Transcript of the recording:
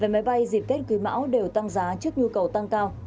về máy bay dịp kết cưới mão đều tăng giá trước nhu cầu tăng cao